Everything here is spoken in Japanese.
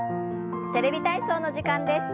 「テレビ体操」の時間です。